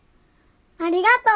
ありがとう。